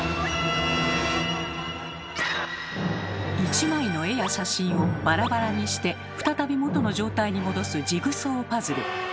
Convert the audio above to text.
１枚の絵や写真をバラバラにして再び元の状態に戻すジグソーパズル。